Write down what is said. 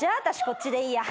こっちでいいや。